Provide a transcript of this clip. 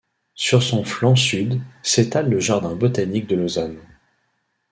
Sur son flanc sud s’étale le jardin botanique de Lausanne.